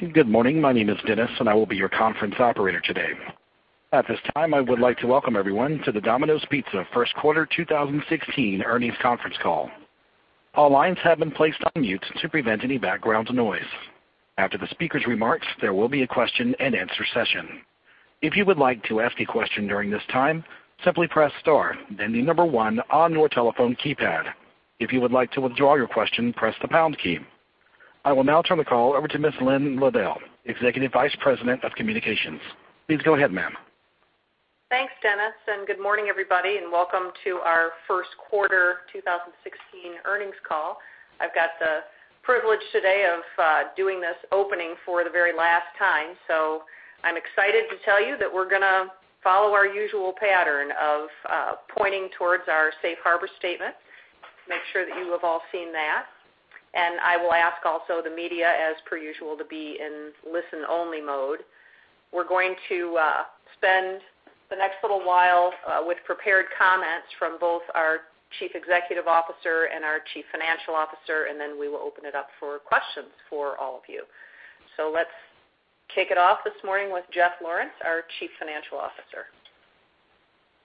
Good morning. My name is Dennis, and I will be your conference operator today. At this time, I would like to welcome everyone to the Domino's Pizza First Quarter 2016 Earnings Conference call. All lines have been placed on mute to prevent any background noise. After the speaker's remarks, there will be a question and answer session. If you would like to ask a question during this time, simply press star, then the number one on your telephone keypad. If you would like to withdraw your question, press the pound key. I will now turn the call over to Ms. Lynn Liddle, Executive Vice President of Communications. Please go ahead, ma'am. Thanks, Dennis, and good morning, everybody, and welcome to our first quarter 2016 earnings call. I've got the privilege today of doing this opening for the very last time. I'm excited to tell you that we're going to follow our usual pattern of pointing towards our safe harbor statement to make sure that you have all seen that. I will ask also the media, as per usual, to be in listen-only mode. We're going to spend the next little while with prepared comments from both our Chief Executive Officer and our Chief Financial Officer, then we will open it up for questions for all of you. Let's kick it off this morning with Jeffrey Lawrence, our Chief Financial Officer.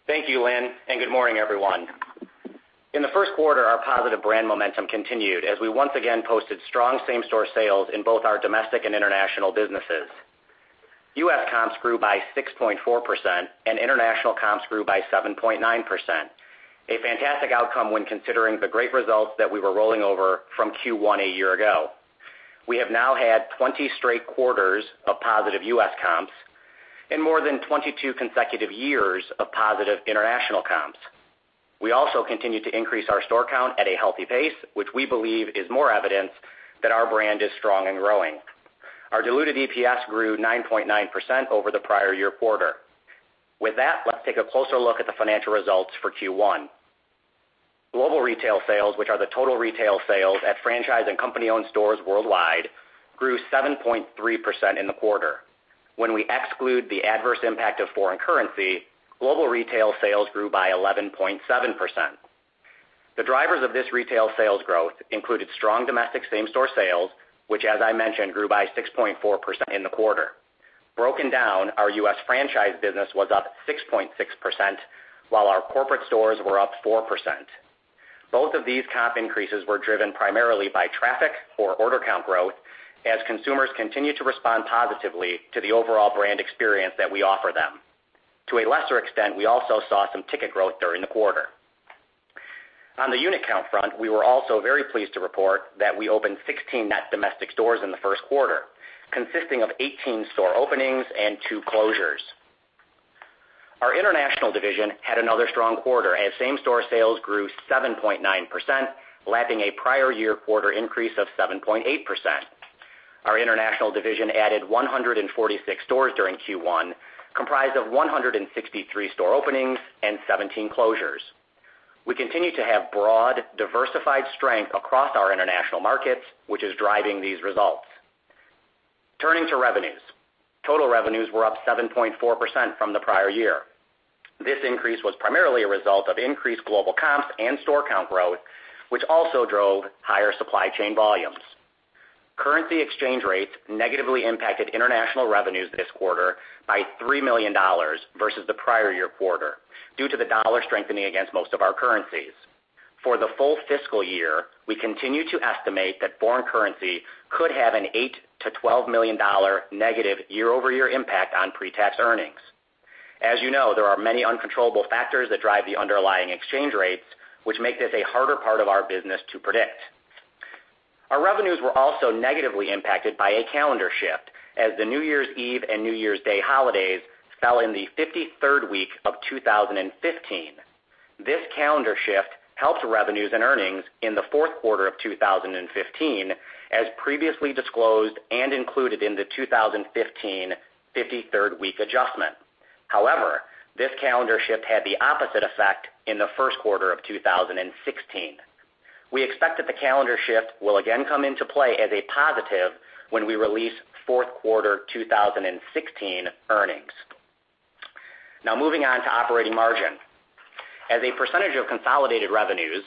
Thank you, Lynn, and good morning, everyone. In the first quarter, our positive brand momentum continued as we once again posted strong same-store sales in both our domestic and international businesses. U.S. comps grew by 6.4%. International comps grew by 7.9%. A fantastic outcome when considering the great results that we were rolling over from Q1 a year ago. We have now had 20 straight quarters of positive U.S. comps and more than 22 consecutive years of positive international comps. We also continue to increase our store count at a healthy pace, which we believe is more evidence that our brand is strong and growing. Our diluted EPS grew 9.9% over the prior year quarter. With that, let's take a closer look at the financial results for Q1. Global retail sales, which are the total retail sales at franchise and company-owned stores worldwide, grew 7.3% in the quarter. When we exclude the adverse impact of foreign currency, global retail sales grew by 11.7%. The drivers of this retail sales growth included strong domestic same-store sales, which as I mentioned, grew by 6.4% in the quarter. Broken down, our U.S. franchise business was up 6.6%, while our corporate stores were up 4%. Both of these comp increases were driven primarily by traffic or order count growth as consumers continue to respond positively to the overall brand experience that we offer them. To a lesser extent, we also saw some ticket growth during the quarter. On the unit count front, we were also very pleased to report that we opened 16 net domestic stores in the first quarter, consisting of 18 store openings and two closures. Our international division had another strong quarter as same-store sales grew 7.9%, lapping a prior year quarter increase of 7.8%. Our international division added 146 stores during Q1, comprised of 163 store openings and 17 closures. We continue to have broad, diversified strength across our international markets, which is driving these results. Turning to revenues. Total revenues were up 7.4% from the prior year. This increase was primarily a result of increased global comps and store count growth, which also drove higher supply chain volumes. Currency exchange rates negatively impacted international revenues this quarter by $3 million versus the prior year quarter due to the dollar strengthening against most of our currencies. For the full fiscal year, we continue to estimate that foreign currency could have an $8 million-$12 million negative year-over-year impact on pre-tax earnings. As you know, there are many uncontrollable factors that drive the underlying exchange rates, which make this a harder part of our business to predict. Our revenues were also negatively impacted by a calendar shift as the New Year's Eve and New Year's Day holidays fell in the 53rd week of 2015. This calendar shift helped revenues and earnings in the fourth quarter of 2015, as previously disclosed and included in the 2015 53rd week adjustment. However, this calendar shift had the opposite effect in the first quarter of 2016. We expect that the calendar shift will again come into play as a positive when we release fourth quarter 2016 earnings. Moving on to operating margin. As a percentage of consolidated revenues,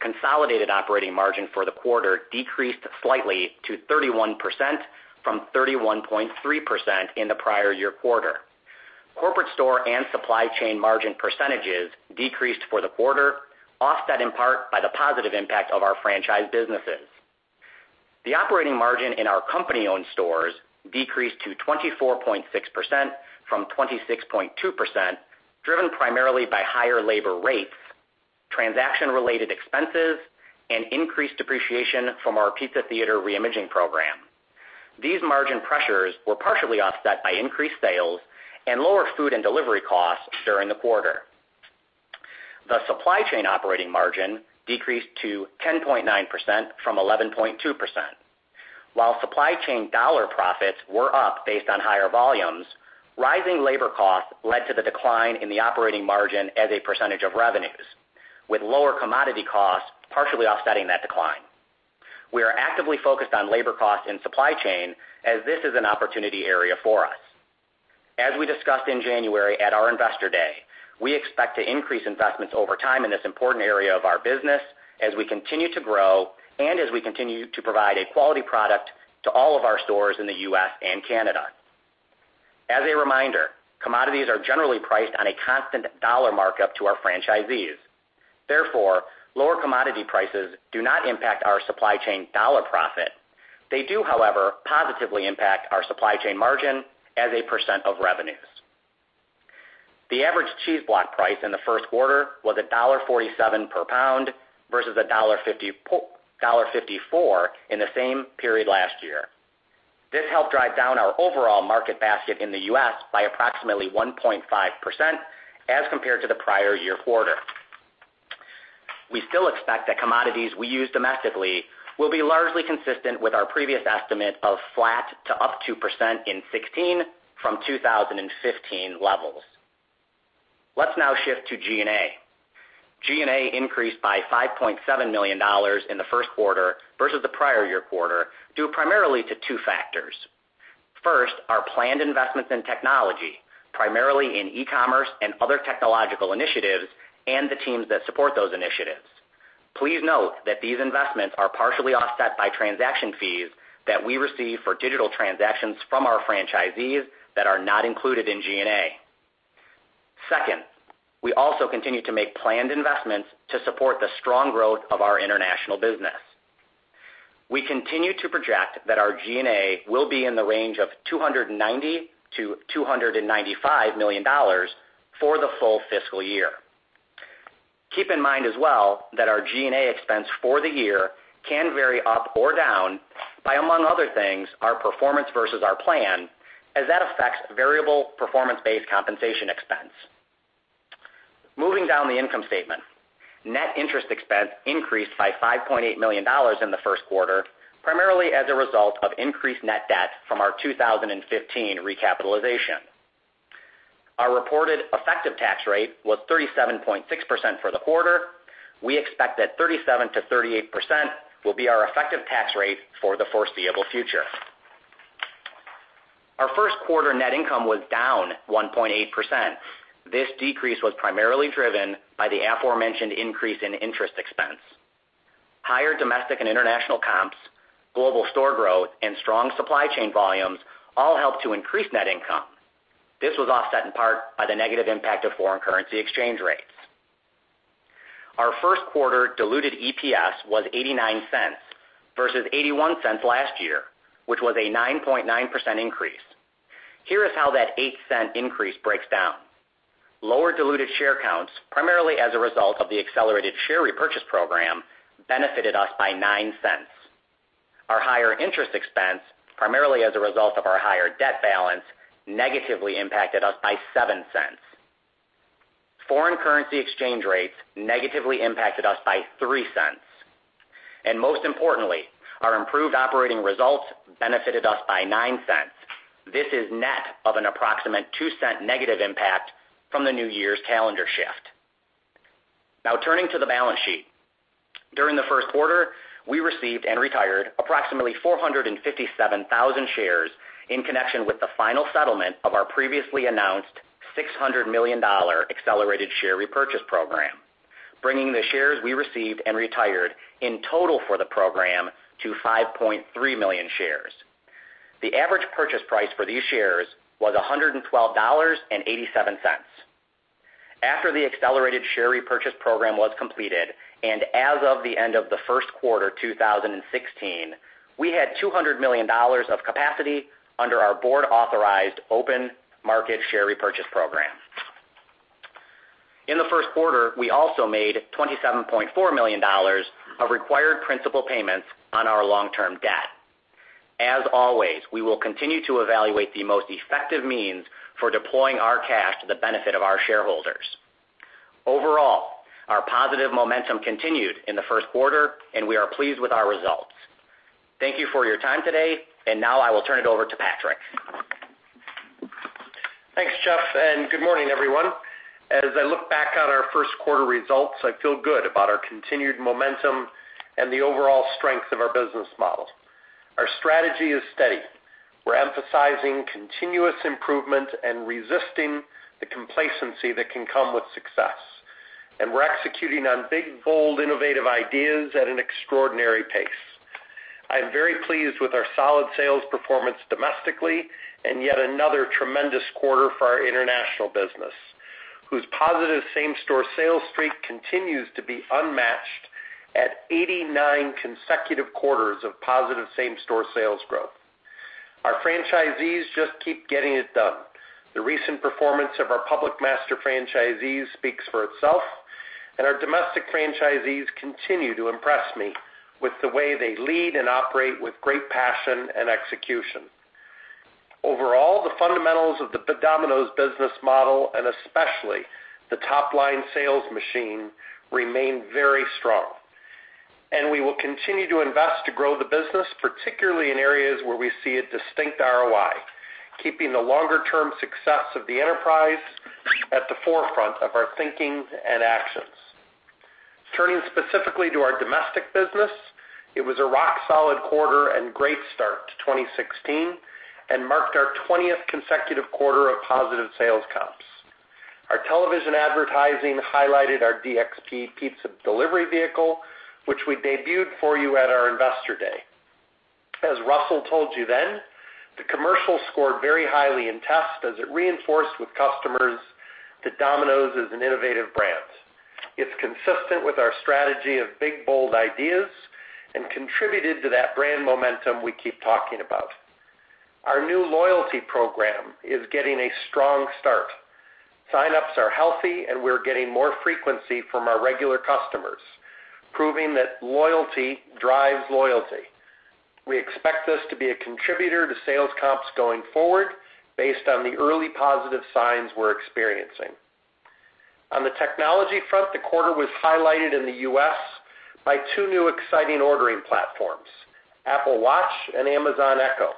consolidated operating margin for the quarter decreased slightly to 31% from 31.3% in the prior year quarter. Corporate store and supply chain margin percentages decreased for the quarter, offset in part by the positive impact of our franchise businesses. The operating margin in our company-owned stores decreased to 24.6% from 26.2%, driven primarily by higher labor rates, transaction-related expenses, and increased depreciation from our Pizza Theater reimaging program. These margin pressures were partially offset by increased sales and lower food and delivery costs during the quarter. The supply chain operating margin decreased to 10.9% from 11.2%. While supply chain dollar profits were up based on higher volumes, rising labor costs led to the decline in the operating margin as a percentage of revenues, with lower commodity costs partially offsetting that decline. We are actively focused on labor costs in supply chain as this is an opportunity area for us. As we discussed in January at our Investor Day, we expect to increase investments over time in this important area of our business as we continue to grow and as we continue to provide a quality product to all of our stores in the U.S. and Canada. As a reminder, commodities are generally priced on a constant dollar markup to our franchisees. Therefore, lower commodity prices do not impact our supply chain dollar profit. They do, however, positively impact our supply chain margin as a percent of revenues. The average cheese block price in the first quarter was $1.47 per pound versus $1.54 in the same period last year. This helped drive down our overall market basket in the U.S. by approximately 1.5% as compared to the prior year quarter. We still expect that commodities we use domestically will be largely consistent with our previous estimate of flat to up 2% in 2016 from 2015 levels. Let's now shift to G&A. G&A increased by $5.7 million in the first quarter versus the prior year quarter, due primarily to two factors. First, our planned investments in technology, primarily in e-commerce and other technological initiatives, and the teams that support those initiatives. Please note that these investments are partially offset by transaction fees that we receive for digital transactions from our franchisees that are not included in G&A. Second, we also continue to make planned investments to support the strong growth of our international business. We continue to project that our G&A will be in the range of $290 million-$295 million for the full fiscal year. Keep in mind as well that our G&A expense for the year can vary up or down by, among other things, our performance versus our plan, as that affects variable performance-based compensation expense. Moving down the income statement, net interest expense increased by $5.8 million in the first quarter, primarily as a result of increased net debt from our 2015 recapitalization. Our reported effective tax rate was 37.6% for the quarter. We expect that 37%-38% will be our effective tax rate for the foreseeable future. Our first quarter net income was down 1.8%. This decrease was primarily driven by the aforementioned increase in interest expense. Higher domestic and international comps, global store growth, and strong supply chain volumes all helped to increase net income. This was offset in part by the negative impact of foreign currency exchange rates. Our first quarter diluted EPS was $0.89 versus $0.81 last year, which was a 9.9% increase. Here is how that $0.08 increase breaks down. Lower diluted share counts, primarily as a result of the accelerated share repurchase program, benefited us by $0.09. Our higher interest expense, primarily as a result of our higher debt balance, negatively impacted us by $0.07. Foreign currency exchange rates negatively impacted us by $0.03. Most importantly, our improved operating results benefited us by $0.09. This is net of an approximate $0.02 negative impact from the new year's calendar shift. Now turning to the balance sheet. During the first quarter, we received and retired approximately 457,000 shares in connection with the final settlement of our previously announced $600 million accelerated share repurchase program, bringing the shares we received and retired in total for the program to 5.3 million shares. The average purchase price for these shares was $112.87. After the accelerated share repurchase program was completed, as of the end of the first quarter 2016, we had $200 million of capacity under our board-authorized open-market share repurchase program. In the first quarter, we also made $27.4 million of required principal payments on our long-term debt. As always, we will continue to evaluate the most effective means for deploying our cash to the benefit of our shareholders. Overall, our positive momentum continued in the first quarter, and we are pleased with our results. Thank you for your time today. Now I will turn it over to Patrick. Thanks, Jeff, good morning, everyone. As I look back on our first quarter results, I feel good about our continued momentum and the overall strength of our business model. Our strategy is steady. We're emphasizing continuous improvement and resisting the complacency that can come with success. We're executing on big, bold, innovative ideas at an extraordinary pace. I am very pleased with our solid sales performance domestically and yet another tremendous quarter for our international business, whose positive same-store sales streak continues to be unmatched at 89 consecutive quarters of positive same-store sales growth. Our franchisees just keep getting it done. The recent performance of our public master franchisees speaks for itself, our domestic franchisees continue to impress me with the way they lead and operate with great passion and execution. Overall, the fundamentals of the Domino's business model, especially the top-line sales machine, remain very strong, we will continue to invest to grow the business, particularly in areas where we see a distinct ROI, keeping the longer-term success of the enterprise at the forefront of our thinking and actions. Turning specifically to our domestic business, it was a rock solid quarter and great start to 2016, marked our 20th consecutive quarter of positive sales comps. Our television advertising highlighted our DXP pizza delivery vehicle, which we debuted for you at our Investor Day. As Russell told you then, the commercial scored very highly in tests as it reinforced with customers that Domino's is an innovative brand. It's consistent with our strategy of big, bold ideas and contributed to that brand momentum we keep talking about. Our new loyalty program is getting a strong start. Sign-ups are healthy, we're getting more frequency from our regular customers, proving that loyalty drives loyalty. We expect this to be a contributor to sales comps going forward based on the early positive signs we're experiencing. On the technology front, the quarter was highlighted in the U.S. by two new exciting ordering platforms, Apple Watch and Amazon Echo.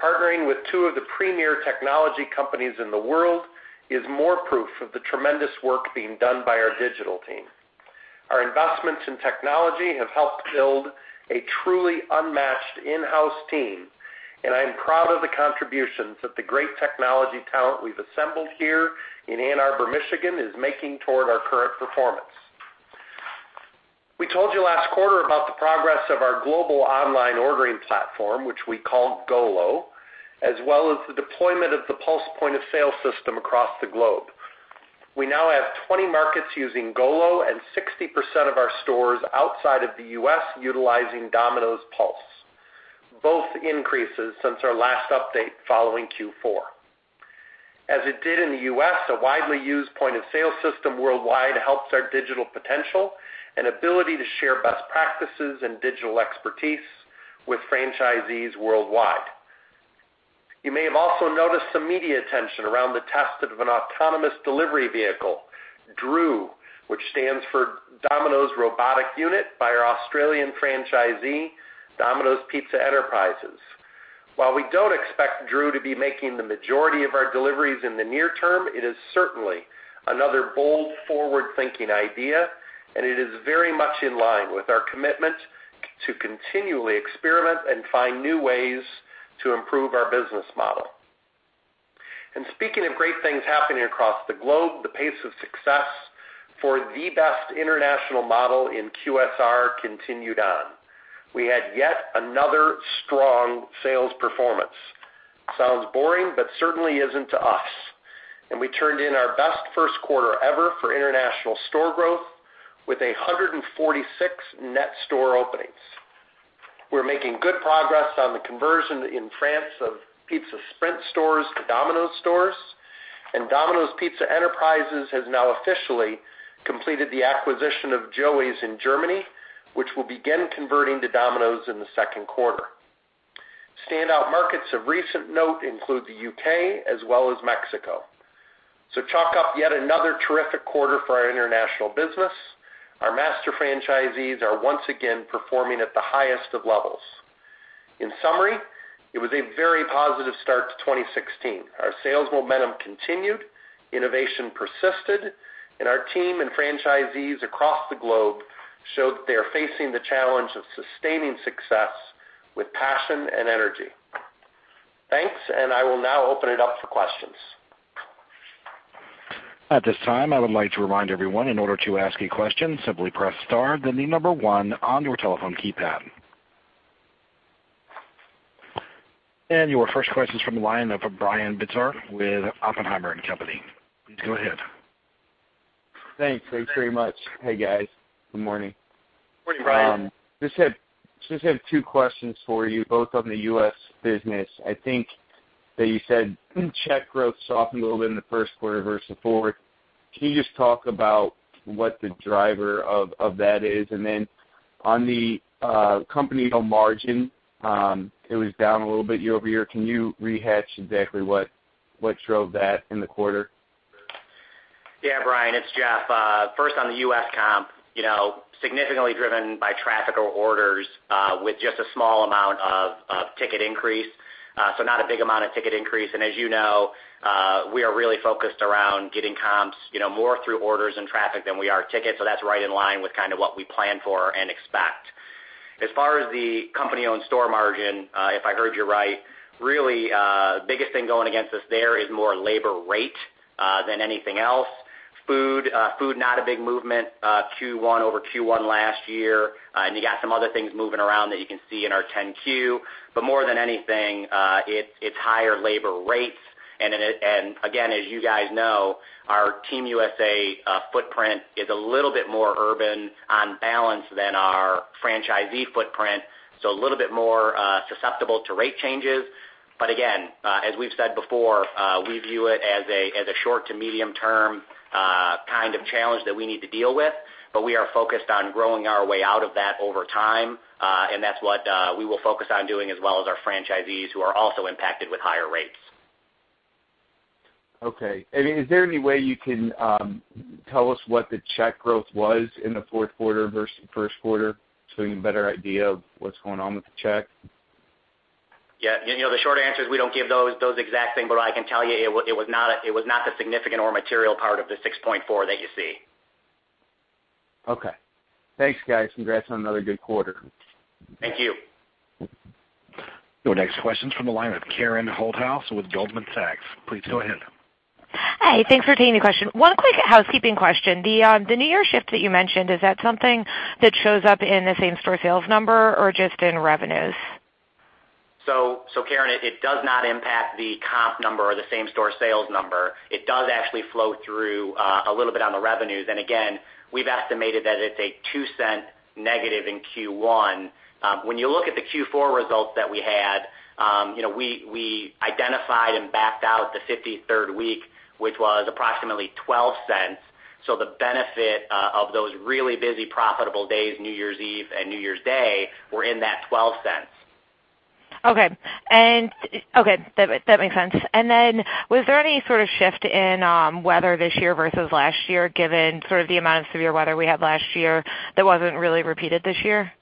Partnering with two of the premier technology companies in the world is more proof of the tremendous work being done by our digital team. Our investments in technology have helped build a truly unmatched in-house team, I am proud of the contributions that the great technology talent we've assembled here in Ann Arbor, Michigan, is making toward our current performance. We told you last quarter about the progress of our global online ordering platform, which we call GOLO, as well as the deployment of the Domino's Pulse point-of-sale system across the globe. We now have 20 markets using GOLO 60% of our stores outside of the U.S. utilizing Domino's Pulse. Both increases since our last update following Q4. As it did in the U.S., a widely used point-of-sale system worldwide helps our digital potential and ability to share best practices and digital expertise with franchisees worldwide. You may have also noticed some media attention around the test of an autonomous delivery vehicle, DRU, which stands for Domino's Robotic Unit, by our Australian franchisee, Domino's Pizza Enterprises. While we don't expect DRU to be making the majority of our deliveries in the near term, it is certainly another bold, forward-thinking idea, and it is very much in line with our commitment to continually experiment and find new ways to improve our business model. Speaking of great things happening across the globe, the pace of success for the best international model in QSR continued on. We had yet another strong sales performance. Sounds boring, but certainly isn't to us. We turned in our best first quarter ever for international store growth with 146 net store openings. We're making good progress on the conversion in France of Pizza Sprint stores to Domino's stores, Domino's Pizza Enterprises has now officially completed the acquisition of Joey's in Germany, which will begin converting to Domino's in the second quarter. Standout markets of recent note include the U.K. as well as Mexico. Chalk up yet another terrific quarter for our international business. Our master franchisees are once again performing at the highest of levels. In summary, it was a very positive start to 2016. Our sales momentum continued, innovation persisted, and our team and franchisees across the globe showed that they are facing the challenge of sustaining success with passion and energy. Thanks, I will now open it up for questions. At this time, I would like to remind everyone, in order to ask a question, simply press star then the number one on your telephone keypad. Your first question's from the line of Brian Bittner with Oppenheimer & Co. Inc. Please go ahead. Thanks. Thanks very much. Hey, guys. Good morning. Good morning, Brian. Just have two questions for you, both on the U.S. business. I think that you said check growth softened a little bit in the first quarter versus the fourth. Can you just talk about what the driver of that is? On the company margin, it was down a little bit year-over-year. Can you rehash exactly what drove that in the quarter? Yeah, Brian, it's Jeff. First on the U.S. comp, significantly driven by traffic or orders, with just a small amount of ticket increase. Not a big amount of ticket increase. As you know, we are really focused around getting comps more through orders and traffic than we are tickets, so that's right in line with what we plan for and expect. As far as the company-owned store margin, if I heard you right, really, biggest thing going against us there is more labor rate than anything else. Food, not a big movement Q1 over Q1 last year. You got some other things moving around that you can see in our 10-Q. More than anything, it's higher labor rates. Again, as you guys know, our Team USA footprint is a little bit more urban on balance than our franchisee footprint, so a little bit more susceptible to rate changes. Again, as we've said before, we view it as a short-to-medium-term kind of challenge that we need to deal with. We are focused on growing our way out of that over time. That's what we will focus on doing, as well as our franchisees who are also impacted with higher rates. Okay. Is there any way you can tell us what the check growth was in the fourth quarter versus first quarter, so we can get a better idea of what's going on with the check? Yeah. The short answer is we don't give those exact thing, but I can tell you it was not the significant or material part of the 6.4 that you see. Okay. Thanks, guys. Congrats on another good quarter. Thank you. Your next question's from the line of Karen Holthouse with Goldman Sachs. Please go ahead. Hi. Thanks for taking the question. One quick housekeeping question. The New Year shift that you mentioned, is that something that shows up in the same-store sales number or just in revenues? Karen, it does not impact the comp number or the same-store sales number. It does actually flow through a little bit on the revenues. Again, we've estimated that it's a $0.02 negative in Q1. When you look at the Q4 results that we had, we identified and backed out the 53rd week, which was approximately $0.12. The benefit of those really busy profitable days, New Year's Eve and New Year's Day, were in that $0.12. Okay. That makes sense. Then was there any sort of shift in weather this year versus last year, given the amount of severe weather we had last year that wasn't really repeated this year?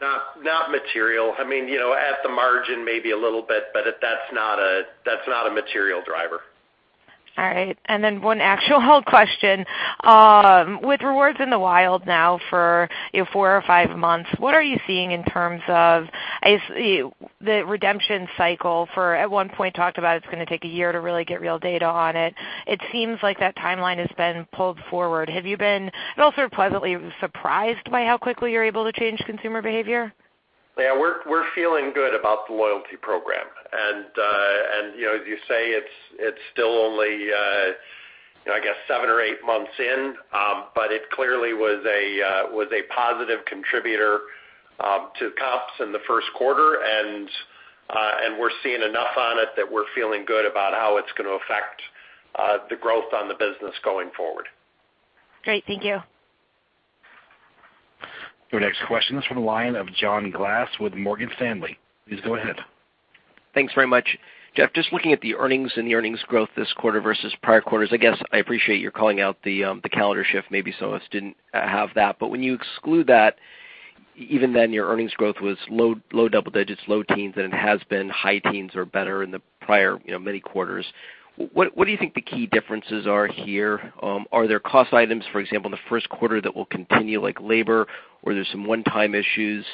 Not material. At the margin, maybe a little bit, but that's not a material driver. One actual question. With Rewards in the Wild now for four or five months, what are you seeing in terms of the redemption cycle for, at one point, talked about it's going to take a year to really get real data on it. It seems like that timeline has been pulled forward. Have you been at all pleasantly surprised by how quickly you're able to change consumer behavior? Yeah, we're feeling good about the loyalty program. As you say, it's still only I guess seven or eight months in. It clearly was a positive contributor to comps in the first quarter, and we're seeing enough on it that we're feeling good about how it's going to affect the growth on the business going forward. Great. Thank you. Your next question is from the line of John Glass with Morgan Stanley. Please go ahead. Thanks very much. Jeff, just looking at the earnings and the earnings growth this quarter versus prior quarters, I guess I appreciate your calling out the calendar shift, maybe some of us didn't have that. When you exclude that, even then, your earnings growth was low double digits, low teens, and it has been high teens or better in the prior many quarters. What do you think the key differences are here? Are there cost items, for example, in the first quarter that will continue, like labor, or there's some one-time issues?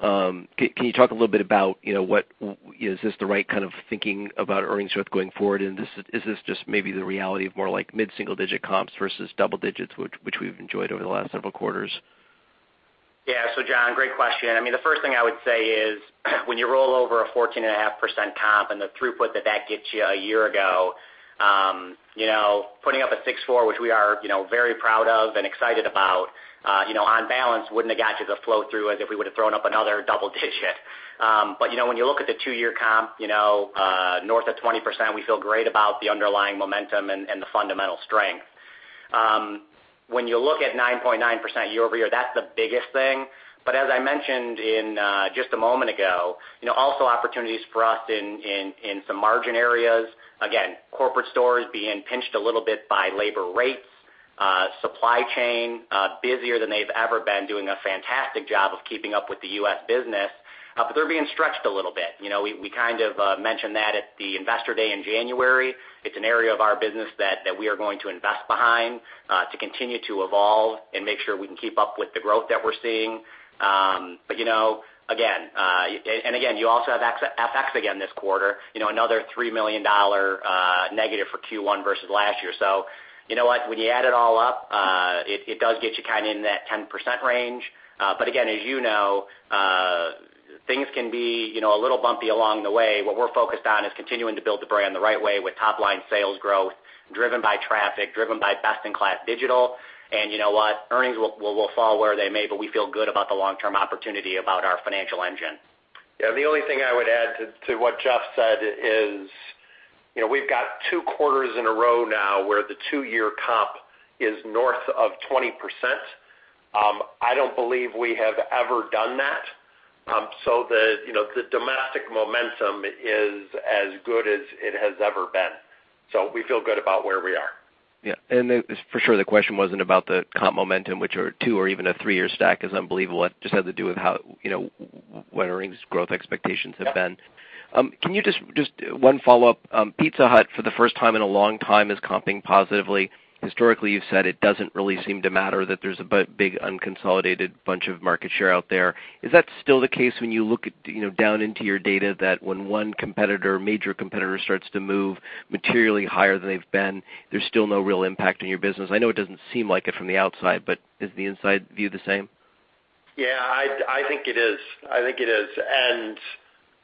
Can you talk a little bit about is this the right kind of thinking about earnings growth going forward, and is this just maybe the reality of more like mid-single digit comps versus double digits, which we've enjoyed over the last several quarters? Yeah. John, great question. The first thing I would say is when you roll over a 14.5% comp and the throughput that gets you a year ago, putting up a 6.4, which we are very proud of and excited about, on balance wouldn't have got you the flow-through as if we would've thrown up another double digit. When you look at the two-year comp, north of 20%, we feel great about the underlying momentum and the fundamental strength. When you look at 9.9% year-over-year, that's the biggest thing. As I mentioned just a moment ago, also opportunities for us in some margin areas. Again, corporate stores being pinched a little bit by labor rates. Supply chain, busier than they've ever been, doing a fantastic job of keeping up with the U.S. business. They're being stretched a little bit. We kind of mentioned that at the Investor Day in January. It's an area of our business that we are going to invest behind, to continue to evolve and make sure we can keep up with the growth that we're seeing. Again, you also have FX again this quarter, another $3 million negative for Q1 versus last year. You know what? When you add it all up, it does get you in that 10% range. Again, as you know, things can be a little bumpy along the way. What we're focused on is continuing to build the brand the right way with top-line sales growth driven by traffic, driven by best-in-class digital. You know what? Earnings will fall where they may, but we feel good about the long-term opportunity about our financial engine. The only thing I would add to what Jeff said is we've got two quarters in a row now where the two-year comp is north of 20%. I don't believe we have ever done that. The domestic momentum is as good as it has ever been. We feel good about where we are. The question wasn't about the comp momentum, which our two or even a three-year stack is unbelievable. It just had to do with what earnings growth expectations have been. Just one follow-up. Pizza Hut, for the first time in a long time, is comping positively. Historically, you've said it doesn't really seem to matter that there's a big unconsolidated bunch of market share out there. Is that still the case when you look down into your data that when one major competitor starts to move materially higher than they've been, there's still no real impact on your business? I know it doesn't seem like it from the outside, but is the inside view the same? I think it is.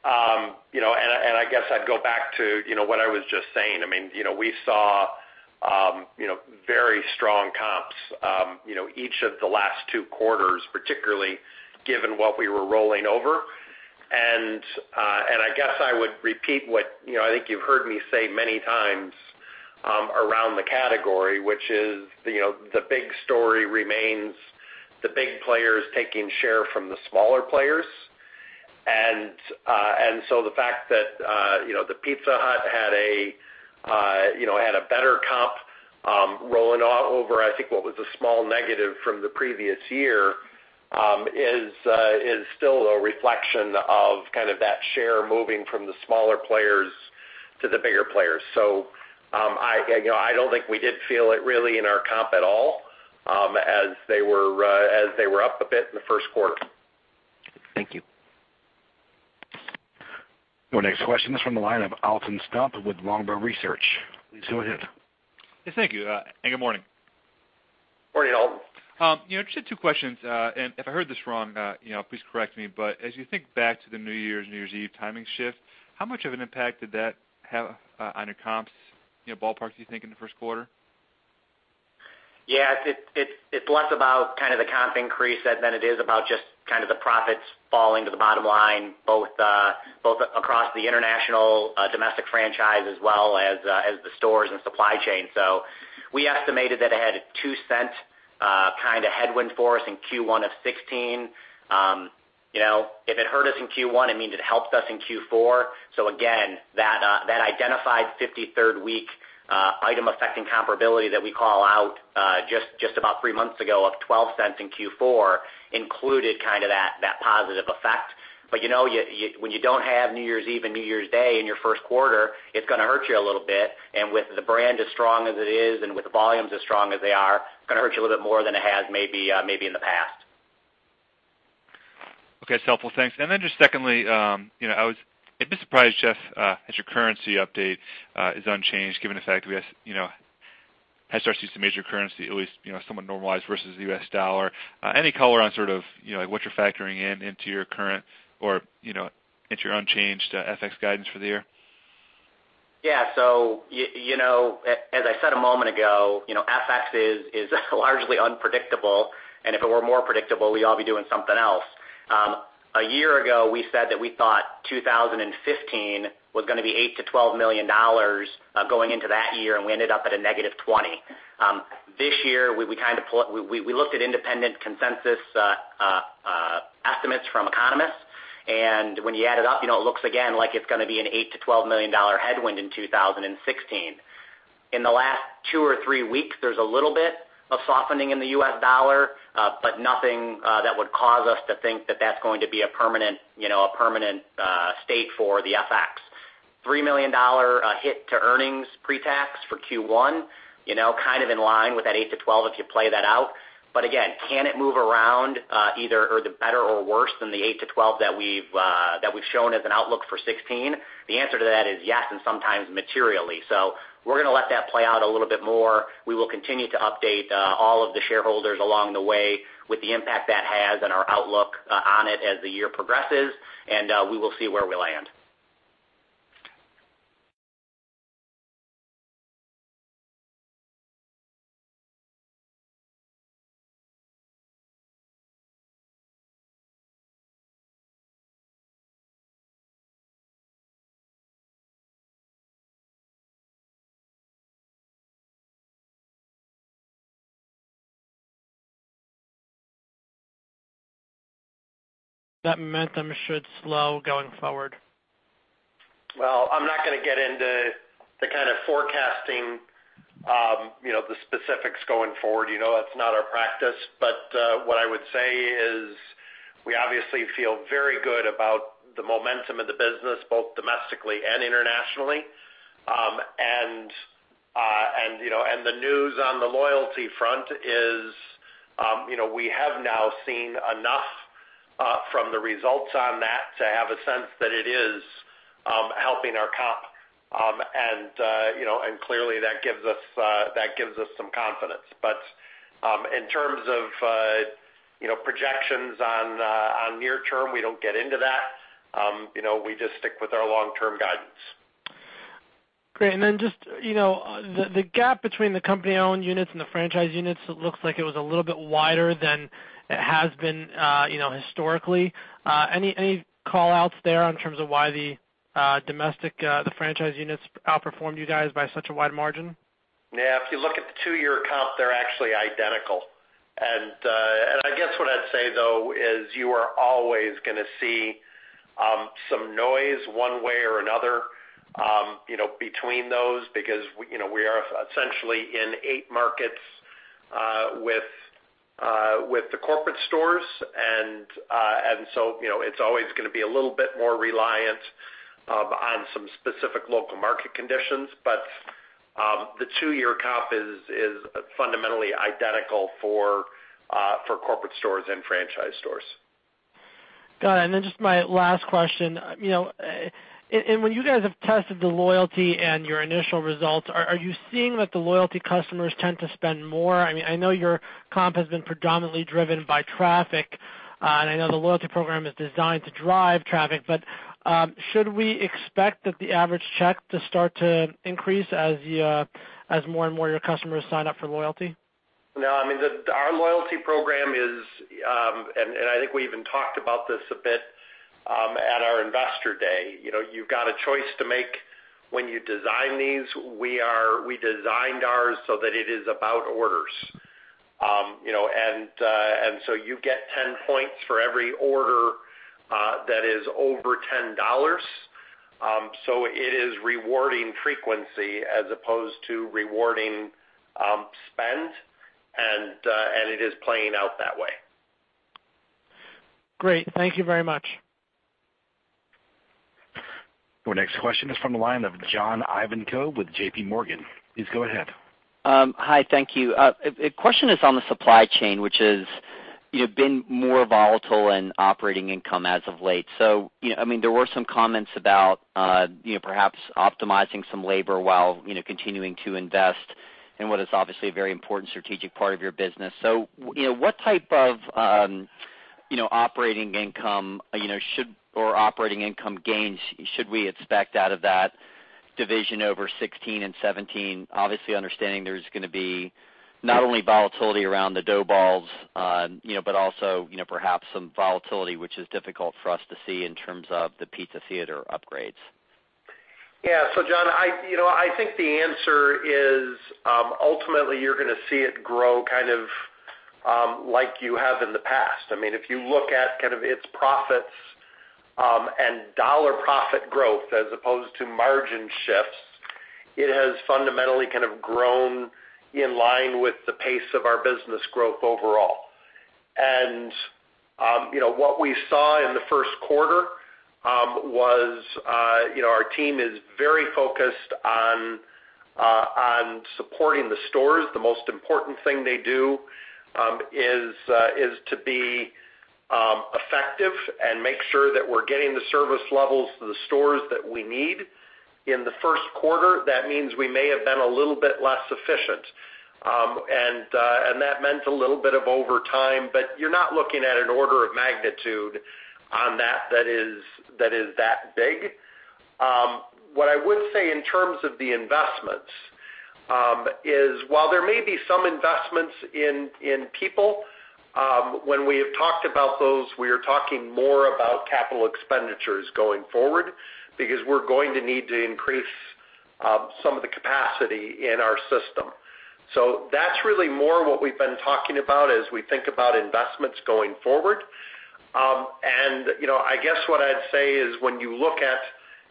I guess I'd go back to what I was just saying. We saw very strong comps each of the last two quarters, particularly given what we were rolling over. I guess I would repeat what I think you've heard me say many times around the category, which is the big story remains the big players taking share from the smaller players. The fact that the Pizza Hut had a better comp Rolling over, I think what was a small negative from the previous year is still a reflection of that share moving from the smaller players to the bigger players. I don't think we did feel it really in our comp at all as they were up a bit in the first quarter. Thank you. Your next question is from the line of Alton Stump with Longbow Research. Please go ahead. Yes, thank you. Good morning. Morning, Alton. Just two questions. If I heard this wrong please correct me, but as you think back to the New Year's, New Year's Eve timing shift, how much of an impact did that have on your comps, ballpark, do you think, in the first quarter? Yeah. It's less about the comp increase than it is about just the profits falling to the bottom line, both across the international domestic franchise as well as the stores and supply chain. We estimated that it had a $0.02 headwind for us in Q1 2016. If it hurt us in Q1, it means it helped us in Q4. Again, that identified 53rd week item affecting comparability that we call out just about three months ago of $0.12 in Q4 included that positive effect. When you don't have New Year's Eve and New Year's Day in your first quarter, it's going to hurt you a little bit. With the brand as strong as it is and with the volumes as strong as they are, it's going to hurt you a little bit more than it has maybe in the past. Okay, it's helpful. Thanks. Just secondly, I'd be surprised, Jeff, as your currency update is unchanged, given the fact that we have started to see some major currency at least somewhat normalized versus the U.S. dollar. Any color on what you're factoring in into your current or into your unchanged FX guidance for the year? Yeah. As I said a moment ago, FX is largely unpredictable, if it were more predictable, we'd all be doing something else. A year ago, we said that we thought 2015 was going to be $8 million-$12 million going into that year, we ended up at a negative $20 million. This year, we looked at independent consensus estimates from economists, when you add it up, it looks again, like it's going to be an $8 million-$12 million headwind in 2016. In the last two or three weeks, there's a little bit of softening in the U.S. dollar, nothing that would cause us to think that that's going to be a permanent state for the FX. $3 million hit to earnings pre-tax for Q1, kind of in line with that $8 million-$12 million if you play that out. Again, can it move around either for the better or worse than the $8-$12 that we've shown as an outlook for 2016? The answer to that is yes, and sometimes materially. We're going to let that play out a little bit more. We will continue to update all of the shareholders along the way with the impact that has on our outlook on it as the year progresses, and we will see where we land. That momentum should slow going forward. Well, I'm not going to get into the kind of forecasting, the specifics going forward. That's not our practice. What I would say is we obviously feel very good about the momentum of the business, both domestically and internationally. The news on the loyalty front is we have now seen enough from the results on that to have a sense that it is helping our comp, and clearly, that gives us some confidence. In terms of projections on near term, we don't get into that. We just stick with our long-term guidance. Great. Then just the gap between the company-owned units and the franchise units, it looks like it was a little bit wider than it has been historically. Any call-outs there in terms of why the domestic franchise units outperformed you guys by such a wide margin? Yeah. If you look at the two-year comp, they're actually identical. I guess what I'd say though is you are always going to see some noise one way or another between those, because we are essentially in eight markets with the corporate stores. It's always going to be a little bit more reliant on some specific local market conditions. The two-year comp is fundamentally identical for corporate stores and franchise stores. Got it. Just my last question. When you guys have tested the Domino's Rewards and your initial results, are you seeing that the Domino's Rewards customers tend to spend more? I know your comp has been predominantly driven by traffic, and I know the Domino's Rewards program is designed to drive traffic. Should we expect that the average check to start to increase as more and more of your customers sign up for Domino's Rewards? No, I mean, our Domino's Rewards program is. I think we even talked about this a bit at our Investor Day. You've got a choice to make when you design these. We designed ours so that it is about orders. You get 10 points for every order that is over $10. It is rewarding frequency as opposed to rewarding spend. It is playing out that way. Great. Thank you very much. Your next question is from the line of John Ivankoe with JPMorgan. Please go ahead. Hi, thank you. A question is on the supply chain, which has been more volatile in operating income as of late. There were some comments about perhaps optimizing some labor while continuing to invest in what is obviously a very important strategic part of your business. What type of operating income gains should we expect out of that division over 2016 and 2017? Obviously, understanding there's going to be not only volatility around the dough balls, but also, perhaps some volatility which is difficult for us to see in terms of the Pizza Theater upgrades. Yeah. John, I think the answer is, ultimately, you're going to see it grow kind of like you have in the past. If you look at its profits and dollar profit growth as opposed to margin shifts, it has fundamentally kind of grown in line with the pace of our business growth overall. What we saw in the first quarter was our team is very focused on supporting the stores. The most important thing they do is to be effective and make sure that we're getting the service levels to the stores that we need. In the first quarter, that means we may have been a little bit less efficient. That meant a little bit of overtime, but you're not looking at an order of magnitude on that is that big. What I would say in terms of the investments is, while there may be some investments in people, when we have talked about those, we are talking more about capital expenditures going forward, because we're going to need to increase some of the capacity in our system. That's really more what we've been talking about as we think about investments going forward. I guess what I'd say is, when you look at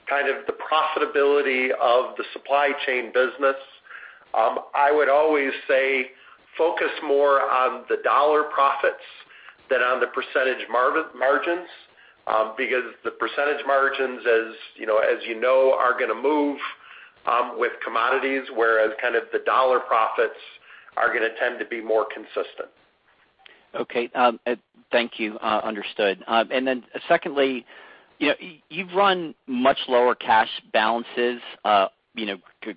kind of the profitability of the supply chain business, I would always say focus more on the dollar profits than on the percentage margins. The percentage margins, as you know, are going to move with commodities, whereas the dollar profits are going to tend to be more consistent. Okay. Thank you. Understood. Then secondly, you've run much lower cash balances,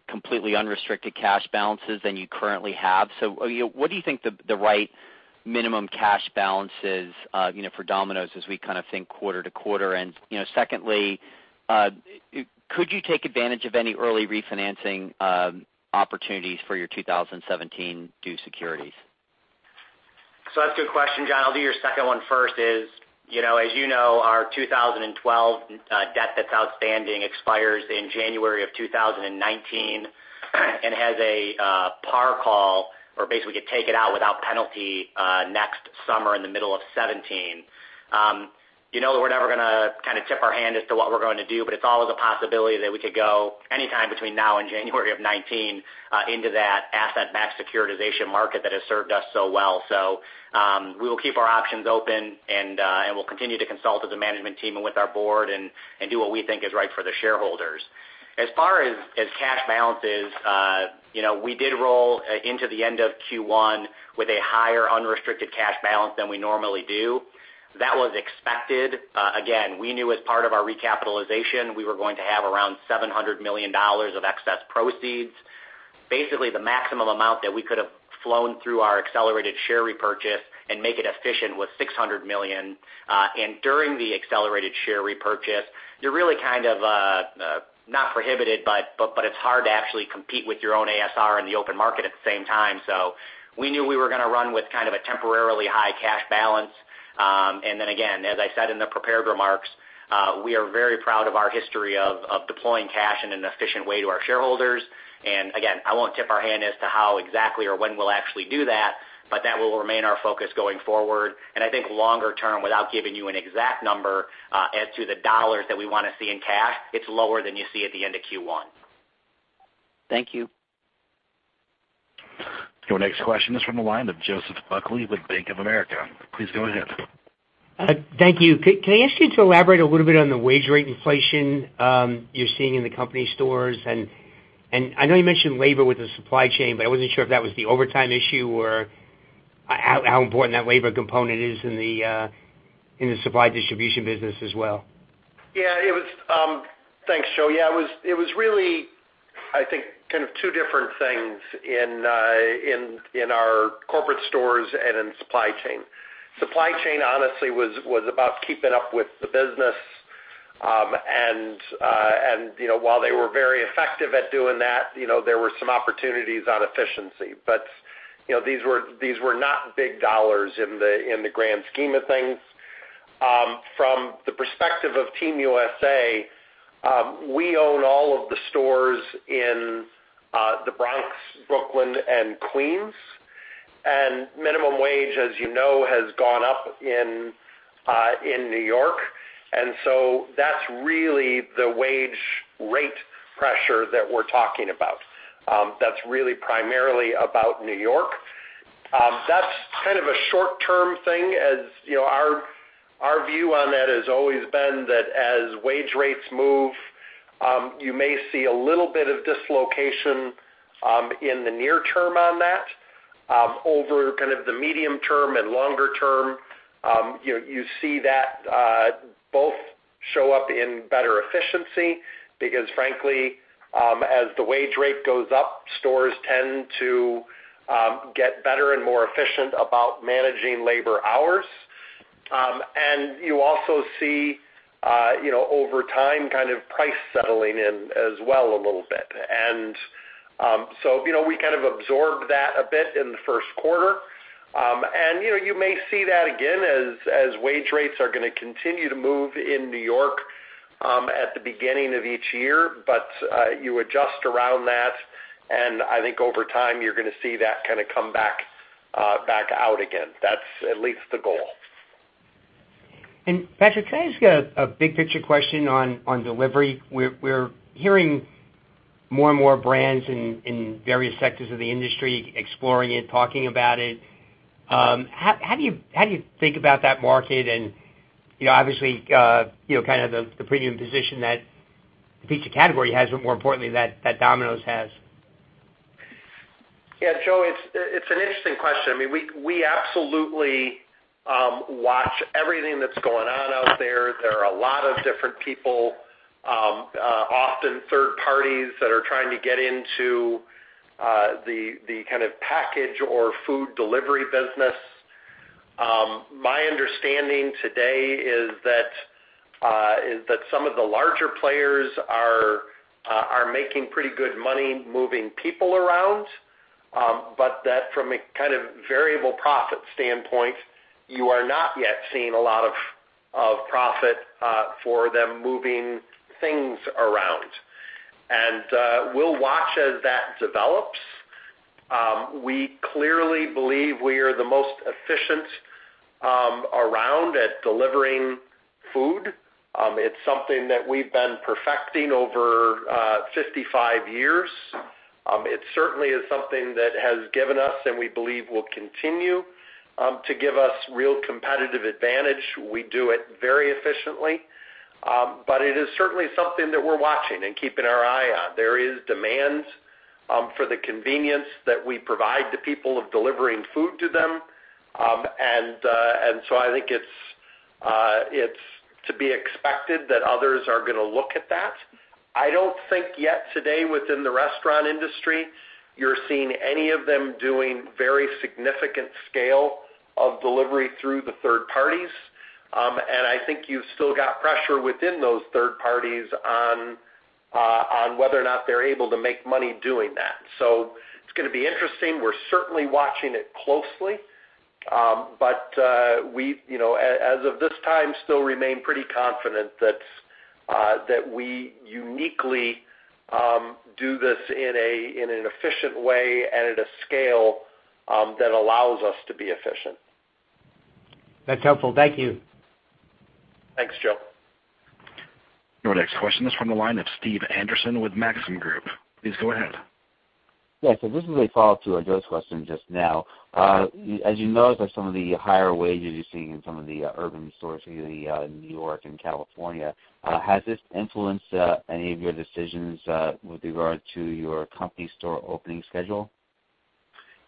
completely unrestricted cash balances than you currently have. What do you think the right minimum cash balance is for Domino's as we think quarter to quarter? Secondly, could you take advantage of any early refinancing opportunities for your 2017 due securities? That's a good question, John. I'll do your second one first. As you know, our 2012 debt that's outstanding expires in January of 2019 and has a par call, or basically could take it out without penalty, next summer in the middle of 2017. You know that we're never going to kind of tip our hand as to what we're going to do, but it's always a possibility that we could go anytime between now and January of 2019 into that asset-backed securitization market that has served us so well. We will keep our options open, and we'll continue to consult with the management team and with our board and do what we think is right for the shareholders. As far as cash balances, we did roll into the end of Q1 with a higher unrestricted cash balance than we normally do. That was expected. Again, we knew as part of our recapitalization, we were going to have around $700 million of excess proceeds. Basically, the maximum amount that we could've flown through our accelerated share repurchase and make it efficient was $600 million. During the accelerated share repurchase, you're really kind of, not prohibited, but it's hard to actually compete with your own ASR in the open market at the same time. We knew we were going to run with kind of a temporarily high cash balance. Then again, as I said in the prepared remarks, we are very proud of our history of deploying cash in an efficient way to our shareholders. Again, I won't tip our hand as to how exactly or when we'll actually do that, but that will remain our focus going forward. I think longer term, without giving you an exact number as to the $ that we want to see in cash, it's lower than you see at the end of Q1. Thank you. Your next question is from the line of Joseph Buckley with Bank of America. Please go ahead. Thank you. Can I ask you to elaborate a little bit on the wage rate inflation you're seeing in the company stores? I know you mentioned labor with the supply chain, but I wasn't sure if that was the overtime issue, or how important that labor component is in the supply distribution business as well. Thanks, Joe. It was really, I think, kind of two different things in our corporate stores and in supply chain. Supply chain, honestly, was about keeping up with the business. While they were very effective at doing that, there were some opportunities on efficiency. These were not big dollars in the grand scheme of things. From the perspective of Team USA, we Stores in the Bronx, Brooklyn, and Queens. Minimum wage, as you know, has gone up in N.Y., so that's really the wage rate pressure that we're talking about. That's really primarily about N.Y. That's kind of a short-term thing. As you know, our view on that has always been that as wage rates move, you may see a little bit of dislocation in the near term on that. Over the medium term and longer term, you see that both show up in better efficiency because frankly, as the wage rate goes up, stores tend to get better and more efficient about managing labor hours. You also see over time, price settling in as well a little bit. So, we kind of absorbed that a bit in the first quarter. You may see that again as wage rates are going to continue to move in N.Y. at the beginning of each year. You adjust around that, and I think over time you're going to see that kind of come back out again. That's at least the goal. Patrick, can I ask you a big picture question on delivery? We're hearing more and more brands in various sectors of the industry exploring it, talking about it. How do you think about that market and obviously, the premium position that the pizza category has, but more importantly that Domino's has? Joe, it's an interesting question. We absolutely watch everything that's going on out there. There are a lot of different people, often third parties that are trying to get into the kind of package or food delivery business. My understanding today is that some of the larger players are making pretty good money moving people around. That from a kind of variable profit standpoint, you are not yet seeing a lot of profit for them moving things around. We'll watch as that develops. We clearly believe we are the most efficient around at delivering food. It's something that we've been perfecting over 55 years. It certainly is something that has given us, and we believe will continue to give us real competitive advantage. We do it very efficiently. It is certainly something that we're watching and keeping our eye on. There is demand for the convenience that we provide the people of delivering food to them. I think it's to be expected that others are going to look at that. I don't think yet today within the restaurant industry, you're seeing any of them doing very significant scale of delivery through the third parties. I think you've still got pressure within those third parties on whether or not they're able to make money doing that. It's going to be interesting. We're certainly watching it closely. As of this time, still remain pretty confident that we uniquely do this in an efficient way and at a scale that allows us to be efficient. That's helpful. Thank you. Thanks, Joe. Your next question is from the line of Stephen Anderson with Maxim Group. Please go ahead. Yeah, this is a follow-up to Joe's question just now. As you know, some of the higher wages you're seeing in some of the urban stores, N.Y. and California, has this influenced any of your decisions with regard to your company store opening schedule?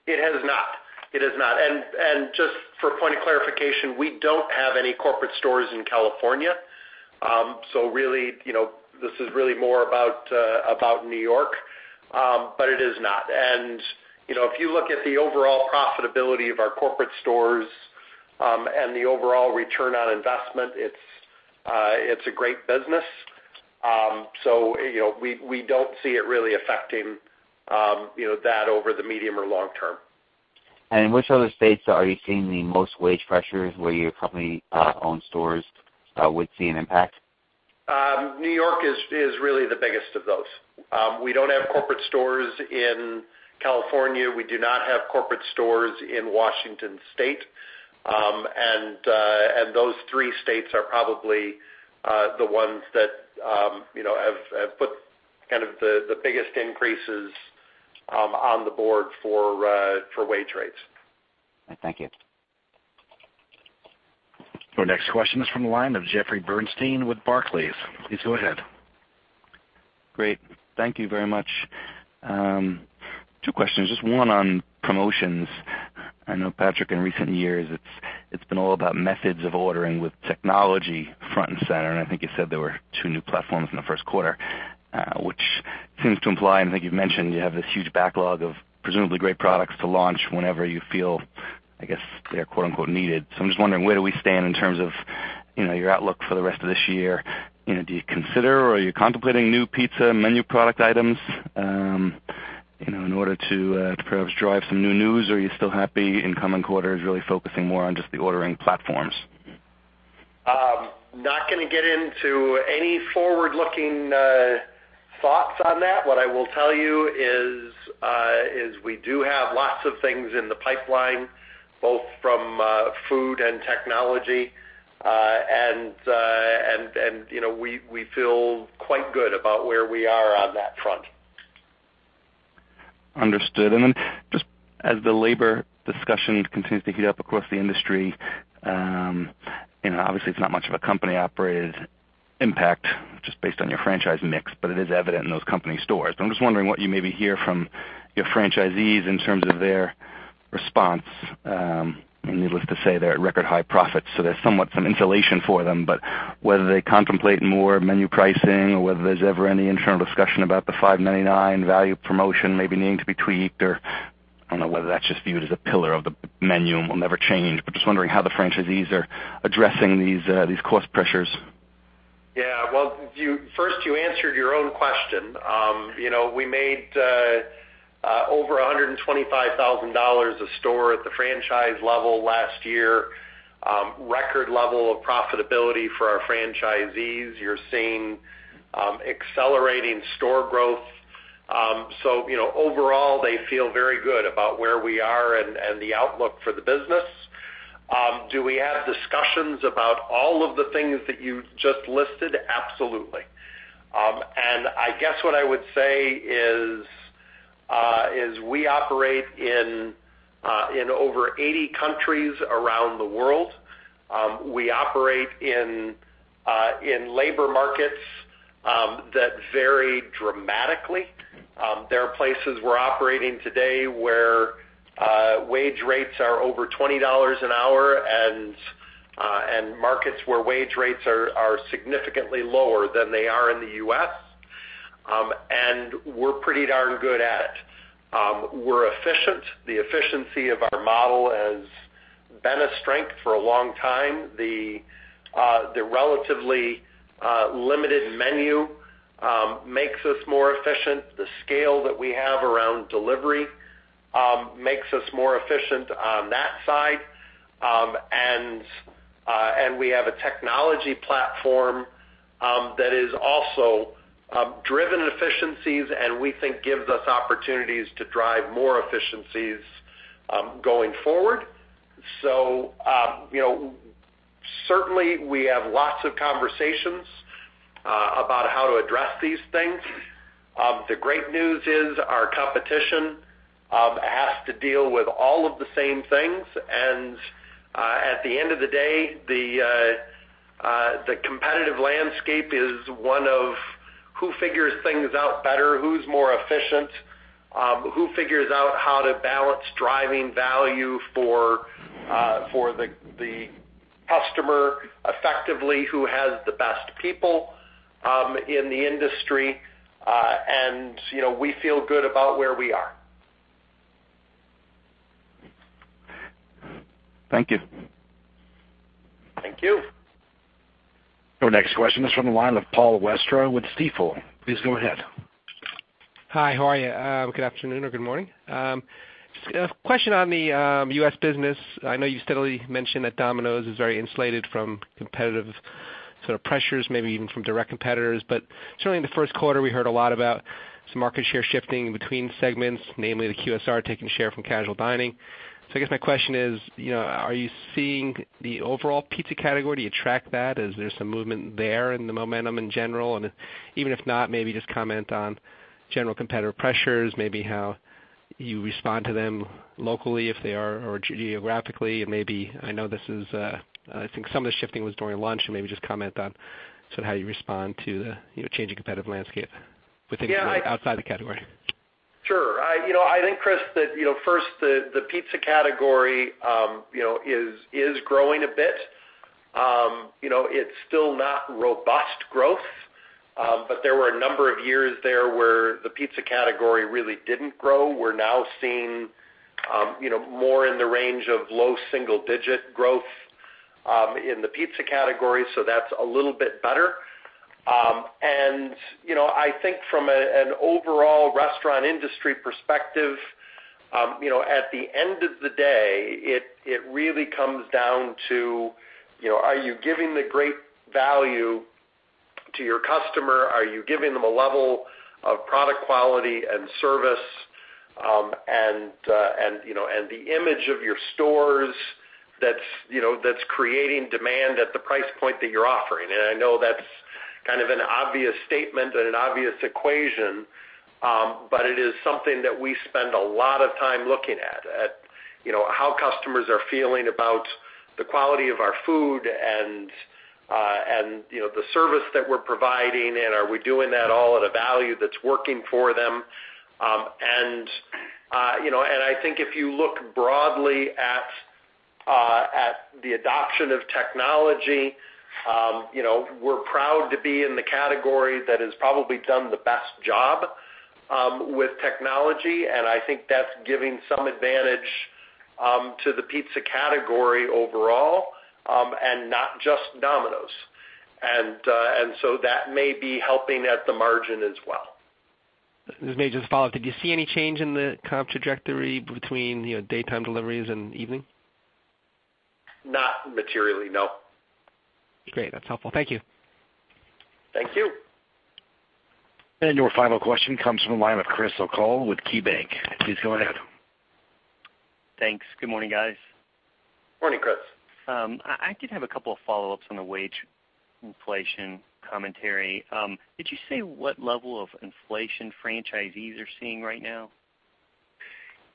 It has not. Just for a point of clarification, we don't have any corporate stores in California. This is really more about N.Y. It is not. If you look at the overall profitability of our corporate stores and the overall return on investment, it's a great business. We don't see it really affecting that over the medium or long term. In which other states are you seeing the most wage pressures where your company-owned stores would see an impact? N.Y. is really the biggest of those. We don't have corporate stores in California. We do not have corporate stores in Washington State. Those three states are probably the ones that have put kind of the biggest increases on the board for wage rates. Thank you. Your next question is from the line of Jeffrey Bernstein with Barclays. Please go ahead. Great. Thank you very much. Two questions. Just one on promotions. I know Patrick, in recent years, it's been all about methods of ordering with technology front and center, and I think you said there were two new platforms in the first quarter. Which seems to imply, and I think you've mentioned you have this huge backlog of presumably great products to launch whenever you feel, I guess they're quote unquote "needed." So I'm just wondering, where do we stand in terms of your outlook for the rest of this year? Do you consider or are you contemplating new pizza menu product items? In order to perhaps drive some new news, are you still happy in coming quarters really focusing more on just the ordering platforms? Not going to get into any forward-looking thoughts on that. What I will tell you is we do have lots of things in the pipeline, both from food and technology. We feel quite good about where we are on that front. Understood. Just as the labor discussion continues to heat up across the industry, obviously it's not much of a company-operated impact, just based on your franchise mix, but it is evident in those company stores. I'm just wondering what you maybe hear from your franchisees in terms of their response. Needless to say, they're at record high profits, so there's somewhat some insulation for them. Whether they contemplate more menu pricing or whether there's ever any internal discussion about the $5.99 value promotion maybe needing to be tweaked, or I don't know whether that's just viewed as a pillar of the menu and will never change. Just wondering how the franchisees are addressing these cost pressures. Well, first you answered your own question. We made over $125,000 a store at the franchise level last year. Record level of profitability for our franchisees. You're seeing accelerating store growth. Overall, they feel very good about where we are and the outlook for the business. Do we have discussions about all of the things that you just listed? Absolutely. I guess what I would say is, we operate in over 80 countries around the world. We operate in labor markets that vary dramatically. There are places we're operating today where wage rates are over $20 an hour and markets where wage rates are significantly lower than they are in the U.S., and we're pretty darn good at it. We're efficient. The efficiency of our model has been a strength for a long time. The relatively limited menu makes us more efficient. The scale that we have around delivery makes us more efficient on that side. We have a technology platform that is also driven efficiencies, and we think gives us opportunities to drive more efficiencies going forward. Certainly, we have lots of conversations about how to address these things. The great news is our competition has to deal with all of the same things. At the end of the day, the competitive landscape is one of who figures things out better, who's more efficient, who figures out how to balance driving value for the customer effectively, who has the best people in the industry, and we feel good about where we are. Thank you. Thank you. Our next question is from the line of Paul Westra with Stifel. Please go ahead. Hi, how are you? Good afternoon or good morning. Just a question on the U.S. business. I know you steadily mentioned that Domino's is very insulated from competitive pressures, maybe even from direct competitors. Certainly in the first quarter, we heard a lot about some market share shifting between segments, namely the QSR taking share from casual dining. I guess my question is, are you seeing the overall pizza category? Do you track that? Is there some movement there in the momentum in general? Even if not, maybe just comment on general competitor pressures, maybe how you respond to them locally, if they are, or geographically. I think some of the shifting was during lunch, so maybe just comment on how you respond to the changing competitive landscape within or outside the category. Sure. I think, Chris, that first, the pizza category is growing a bit. It's still not robust growth. There were a number of years there where the pizza category really didn't grow. We're now seeing more in the range of low single-digit growth in the pizza category. That's a little bit better. I think from an overall restaurant industry perspective, at the end of the day, it really comes down to, are you giving the great value to your customer? Are you giving them a level of product quality and service, and the image of your stores that's creating demand at the price point that you're offering? I know that's kind of an obvious statement and an obvious equation, but it is something that we spend a lot of time looking at. At how customers are feeling about the quality of our food and the service that we're providing, and are we doing that all at a value that's working for them. I think if you look broadly at the adoption of technology, we're proud to be in the category that has probably done the best job with technology, and I think that's giving some advantage to the pizza category overall, and not just Domino's. That may be helping at the margin as well. This may just follow up. Did you see any change in the comp trajectory between daytime deliveries and evening? Not materially, no. Great. That's helpful. Thank you. Thank you. Your final question comes from the line of Chris O'Cull with KeyBanc. Please go ahead. Thanks. Good morning, guys. Morning, Chris. I did have a couple of follow-ups on the wage inflation commentary. Did you say what level of inflation franchisees are seeing right now?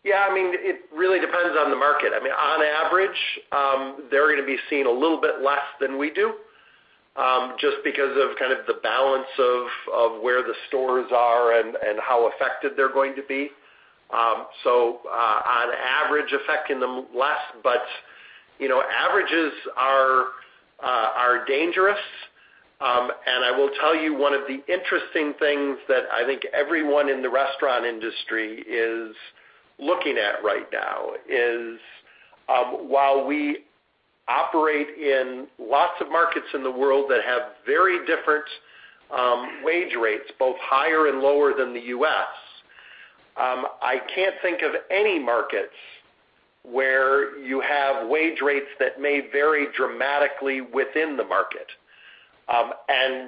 Yeah, it really depends on the market. On average, they're going to be seeing a little bit less than we do, just because of the balance of where the stores are and how affected they're going to be. On average, affecting them less, but averages are dangerous. I will tell you one of the interesting things that I think everyone in the restaurant industry is looking at right now is, while we operate in lots of markets in the world that have very different wage rates, both higher and lower than the U.S., I can't think of any markets where you have wage rates that may vary dramatically within the market.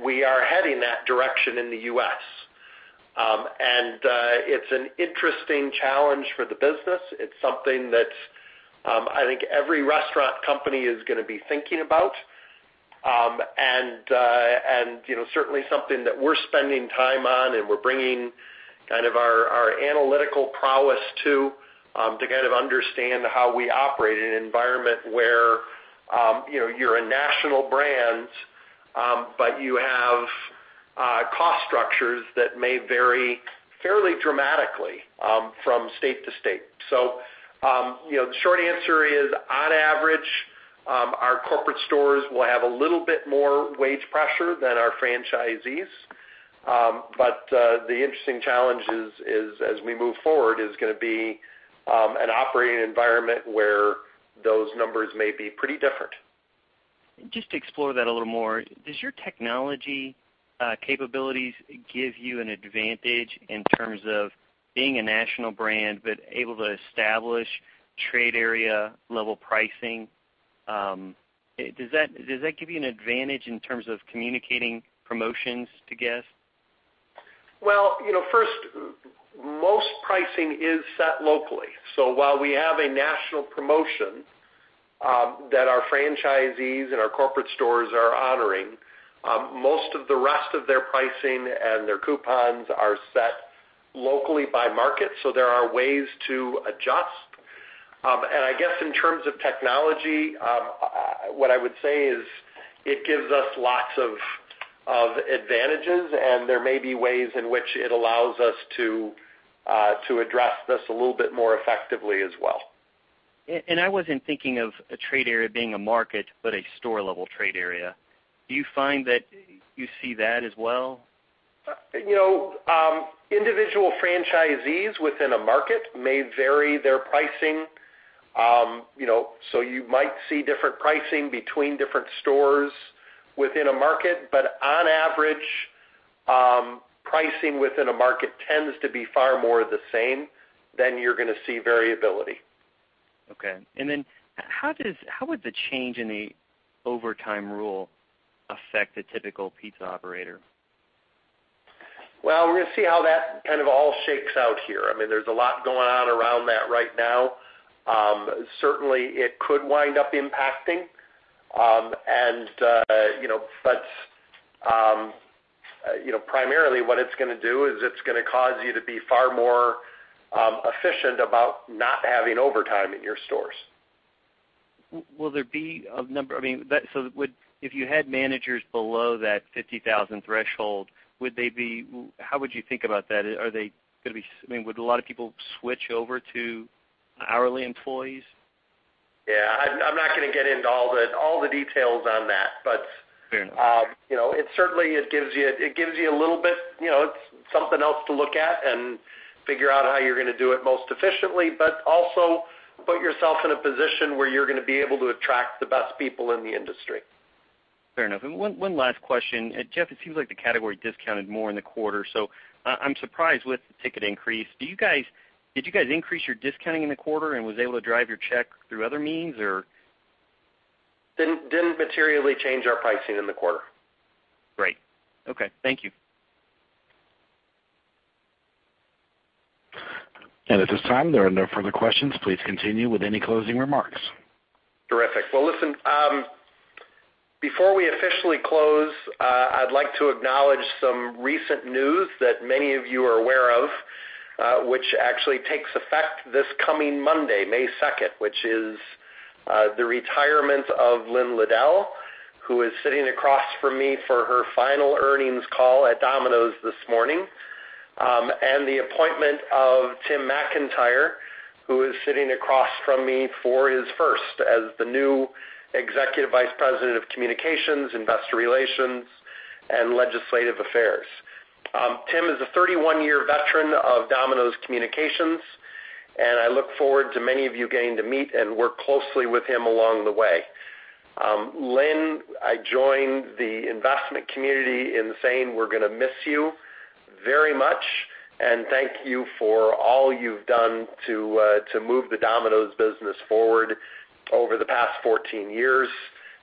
We are heading that direction in the U.S. It's an interesting challenge for the business. It's something that I think every restaurant company is going to be thinking about. Certainly something that we're spending time on and we're bringing our analytical prowess to understand how we operate in an environment where you're a national brand, but you have cost structures that may vary fairly dramatically from state to state. The short answer is, on average, our corporate stores will have a little bit more wage pressure than our franchisees. The interesting challenge is, as we move forward, is going to be an operating environment where those numbers may be pretty different. Just to explore that a little more, does your technology capabilities give you an advantage in terms of being a national brand, but able to establish trade area level pricing? Does that give you an advantage in terms of communicating promotions to guests? Well, first, most pricing is set locally. While we have a national promotion that our franchisees and our corporate stores are honoring, most of the rest of their pricing and their coupons are set locally by market. There are ways to adjust. I guess in terms of technology, what I would say is it gives us lots of advantages, and there may be ways in which it allows us to address this a little bit more effectively as well. I wasn't thinking of a trade area being a market, but a store-level trade area. Do you find that you see that as well? Individual franchisees within a market may vary their pricing. You might see different pricing between different stores within a market, but on average, pricing within a market tends to be far more the same than you're going to see variability. Okay. How would the change in the overtime rule affect a typical pizza operator? Well, we're going to see how that all shakes out here. There's a lot going on around that right now. Certainly, it could wind up impacting. Primarily what it's going to do is it's going to cause you to be far more efficient about not having overtime in your stores. If you had managers below that 50,000 threshold, how would you think about that? Would a lot of people switch over to hourly employees? Yeah, I'm not going to get into all the details on that. Fair enough. It's something else to look at and figure out how you're going to do it most efficiently, but also put yourself in a position where you're going to be able to attract the best people in the industry. Fair enough. One last question. Jeff, it seems like the category discounted more in the quarter. I'm surprised with the ticket increase. Did you guys increase your discounting in the quarter and was able to drive your check through other means, or? Didn't materially change our pricing in the quarter. Great. Okay. Thank you. At this time, there are no further questions. Please continue with any closing remarks. Terrific. Well, listen. Before we officially close, I'd like to acknowledge some recent news that many of you are aware of, which actually takes effect this coming Monday, May 2nd, which is the retirement of Lynn Liddle, who is sitting across from me for her final earnings call at Domino's this morning, and the appointment of Tim McIntyre, who is sitting across from me for his first as the new Executive Vice President of Communications, Investor Relations, and Legislative Affairs. Tim is a 31-year veteran of Domino's Communications. I look forward to many of you getting to meet and work closely with him along the way. Lynn, I join the investment community in saying we're going to miss you very much. Thank you for all you've done to move the Domino's business forward over the past 14 years.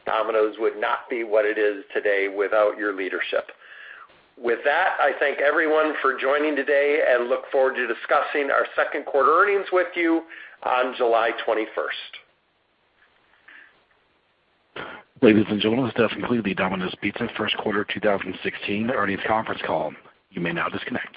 Domino's would not be what it is today without your leadership. With that, I thank everyone for joining today and look forward to discussing our second quarter earnings with you on July 21st. Ladies and gentlemen, this does conclude the Domino's Pizza First Quarter 2016 Earnings Conference Call. You may now disconnect.